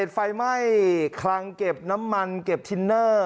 ไฟไหม้คลังเก็บน้ำมันเก็บทินเนอร์